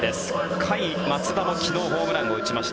甲斐、松田も昨日ホームランを打ちました。